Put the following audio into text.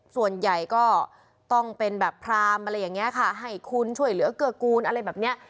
ส่วนใหญ่ก็ต้องเป็นแบบพรามอะไรอย่างนี้ค่ะให้คุณช่วยเหลือเกื้อกูลอะไรแบบเนี้ย